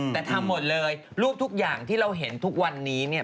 แต่ทำหมดเลยรูปทุกอย่างที่เราเห็นทุกวันนี้เนี่ย